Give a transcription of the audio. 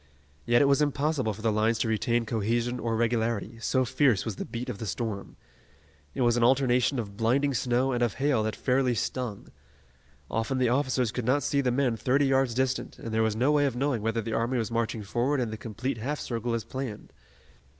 Yet it was impossible for the lines to retain cohesion or regularity, so fierce was the beat of the storm. It was an alternation of blinding snow and of hail that fairly stung. Often the officers could not see the men thirty yards distant, and there was no way of knowing whether the army was marching forward in the complete half circle as planned.